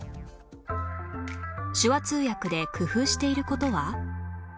手話通訳で工夫している事は？